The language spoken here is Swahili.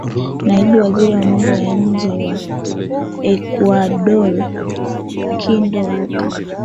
naibu waziri wa mambo ya nje wa ecuador kindo luka